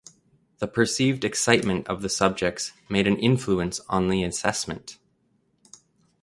The perceived excitement of the subjects made an influence on the assessment.